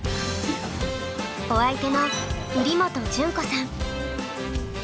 お相手の瓜本淳子さん。